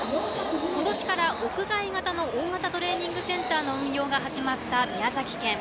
今年から屋外型の大型トレーニングセンターの運用が始まった宮崎県。